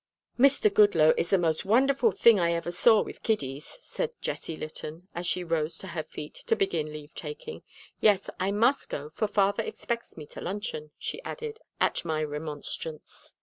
"Mr. Goodloe is the most wonderful thing I ever saw with kiddies," said Jessie Litton, as she rose to her feet to begin leave taking. "Yes, I must go, for father expects me to luncheon," she added, at my remonstrance.